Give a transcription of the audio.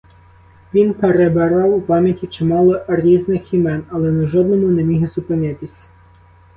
Він перебирав у пам'яті чимало різних імен, але на жодному не міг зупинитись.